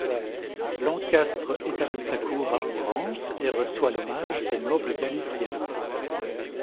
Lancastre établit sa cour à Ourense et reçoit l'hommage des nobles galiciens.